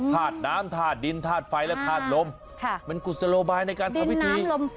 ธาตุน้ำธาตุดินธาตุไฟและธาตุลมเป็นกุศโลบายในการทำพิธี